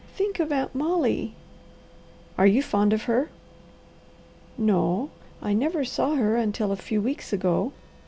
"Think of Aunt Molly!" "Are you fond of her?" "No. I never saw her until a few weeks ago.